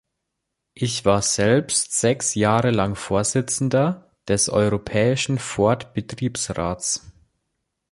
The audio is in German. Ich war selbst sechs Jahre lang Vorsitzender des Europäischen Ford-Betriebsrates.